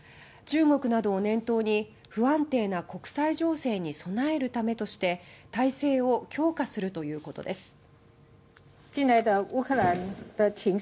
中国などを念頭に、不安定な国際情勢に備えるためとして態勢を強化するということです。